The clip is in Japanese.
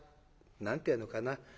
何て言うのかな